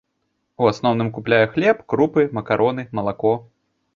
У асноўным купляе хлеб, крупы, макароны, малако.